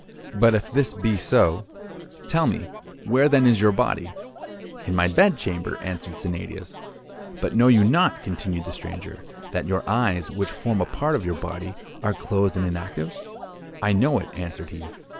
But if this be so, tell me where then is your body?'—'In my bed chamber,' answered Sennadius. 'But know you not,' continued the stranger, 'that your eyes, which form a part of your body, are closed and inactive?'—'I know it,' answered he.